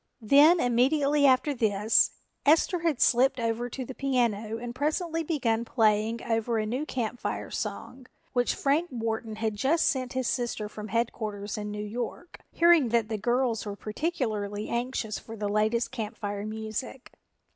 Then immediately after this, Esther had slipped over to the piano and presently begun playing over a new Camp Fire song, which Frank Wharton had just sent his sister from headquarters in New York, hearing that the girls were particularly anxious for the latest Camp Fire music.